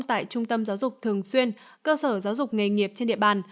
tại trung tâm giáo dục thường xuyên cơ sở giáo dục nghề nghiệp trên địa bàn